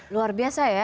luar biasa ya